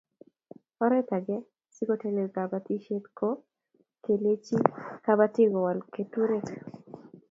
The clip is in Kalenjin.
Oret ag'e si kotelel kabatishet ko kelechi kabatik ko wal keturek